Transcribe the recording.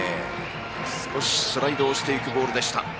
少しスライドをしていくボールでした。